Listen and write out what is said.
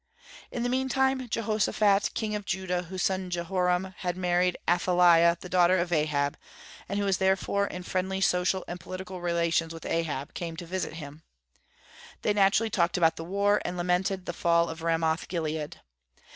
In the mean time Jehoshaphat, king of Judah, whose son Jehoram had married Athaliah, daughter of Ahab, and who was therefore in friendly social and political relations with Ahab, came to visit him. They naturally talked about the war, and lamented the fall of Ramoth Gilead.